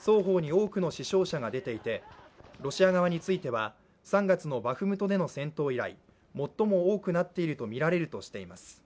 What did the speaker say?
双方に多くの死傷者が出ていてロシア側については３月のバフムトでの戦闘以来、最も多くなっているとみられるとしています。